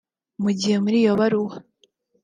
Mu gihe muri iyo baruwa